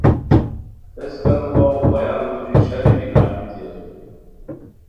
ہیس کانو واؤو پایان موژی شالی بی ہال بیتی اسور